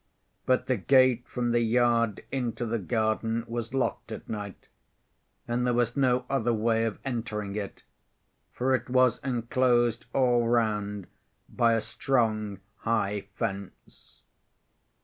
But the gate from the yard into the garden was locked at night, and there was no other way of entering it, for it was enclosed all round by a strong, high fence.